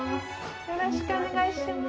よろしくお願いします。